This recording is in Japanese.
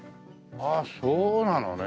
ああそうなのね。